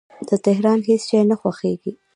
د تهران هیڅ شی نه خوښیږي